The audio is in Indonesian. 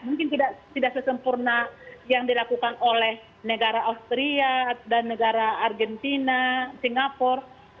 mungkin tidak sesempurna yang dilakukan oleh negara austria dan negara argentina singapura